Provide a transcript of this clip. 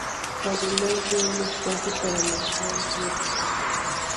Además de un espacio para mezclar hierbas.